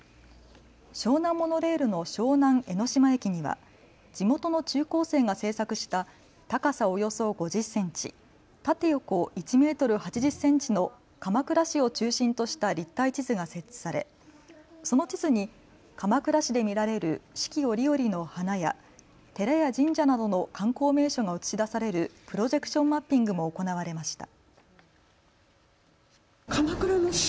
湘南モノレールの湘南江の島駅には地元の中高生が制作した高さおよそ５０センチ、縦横１メートル８０センチの鎌倉市を中心とした立体地図が設置されその地図に鎌倉市で見られる四季折々の花や寺や神社などの観光名所が映し出されるプロジェクションマッピングも行われました。